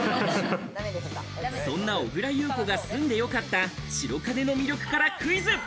そんな小倉優子が住んで良かった白金の魅力からクイズ。